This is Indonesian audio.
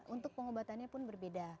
untuk pengobatannya pun berbeda